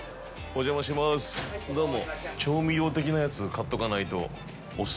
どうも。